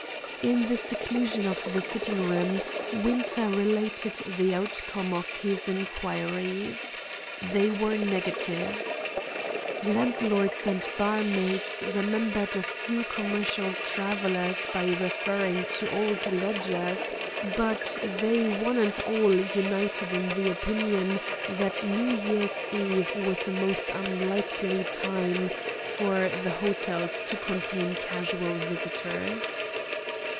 In the seclusion of the sitting room, Winter related the outcome of his inquiries. They were negative. Landlords and barmaids remembered a few commercial travellers by referring to old lodgers, but they one and all united in the opinion that New Year's Eve was a most unlikely time for the hotels to contain casual visitors.